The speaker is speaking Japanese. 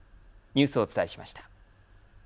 ニュースをお伝えしました。